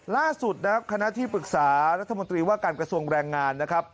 ล่าสุดนะครับคณะที่ปรึกษารัฐมนตรีว่าการกระทรวงแรงงานนะครับ